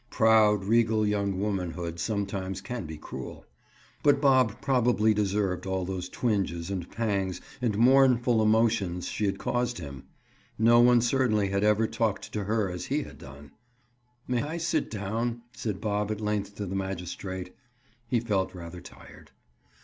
Proud, regal young womanhood sometimes can be cruel. But Bob probably deserved all those twinges and pangs and mournful emotions she had caused him. No one certainly had ever talked to her as he had done. "May I sit down?" said Bob at length to the magistrate. He felt rather tired.